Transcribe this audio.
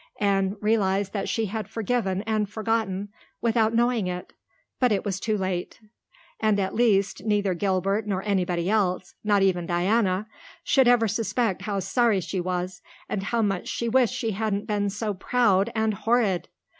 Anne realized that she had forgiven and forgotten without knowing it. But it was too late. And at least neither Gilbert nor anybody else, not even Diana, should ever suspect how sorry she was and how much she wished she hadn't been so proud and horrid!